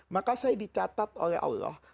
maka saya dicatat oleh allah